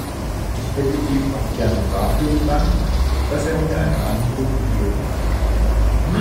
Ich hätte ihm auch gerne dafür gedankt, dass er mir eine Antwort gegeben hat.